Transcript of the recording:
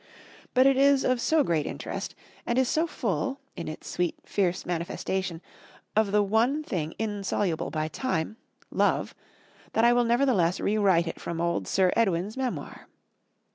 But it is of so great interest, and is so full, in its sweet, fierce manifestation, of the one thing insoluble by time, Love, that I will nevertheless rewrite it from old Sir Edwin's memoir.